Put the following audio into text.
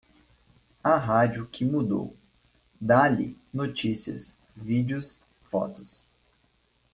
A rádio que mudou, dá-lhe notícias, vídeos, fotos.